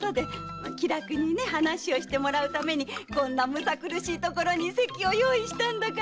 ま気楽に話をしてもらうためにこんなむさ苦しい所に席を用意したんだから！